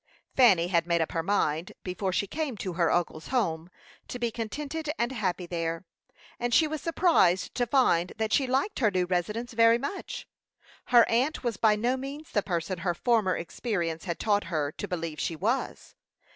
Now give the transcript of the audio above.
Fanny had made up her mind, before she came to her uncle's home, to be contented and happy there; and she was surprised to find that she liked her new residence very much. Her aunt was by no means the person her former experience had taught her to believe she was.